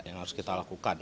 yang harus kita lakukan